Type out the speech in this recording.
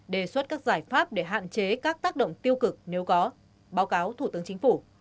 đề xuất các giải pháp để hạn chế các tác động tiêu cực nếu có báo cáo thủ tướng chính phủ